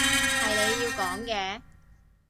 係你要講嘅